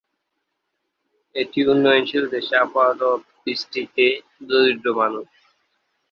এটি উন্নয়নশীল দেশে আপাতদৃষ্টিতে দরিদ্র মানুষ।